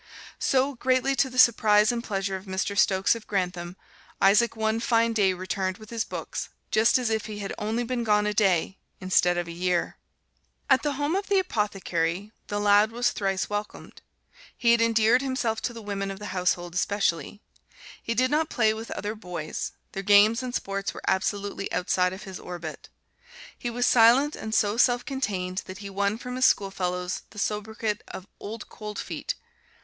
So, greatly to the surprise and pleasure of Mr. Stokes of Grantham, Isaac one fine day returned with his books, just as if he had only been gone a day instead of a year. At the home of the apothecary the lad was thrice welcome. He had endeared himself to the women of the household especially. He did not play with other boys their games and sports were absolutely outside of his orbit. He was silent and so self contained that he won from his schoolfellows the sobriquet of "Old Coldfeet."